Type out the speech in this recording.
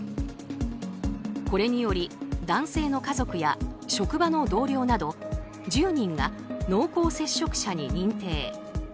これにより男性の家族や職場の同僚など１０人が濃厚接触者に認定。